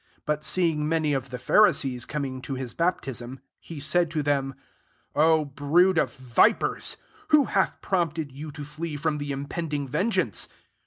T But seeing many of the Pha* risees coming to his baptism, he said to theaij *^ O brood of vipers ! who hath prompted you to iee from the impending ven geance?